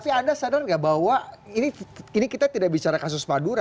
tapi anda sadar nggak bahwa ini kita tidak bicara kasus madura